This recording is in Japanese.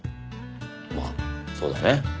まあそうだね。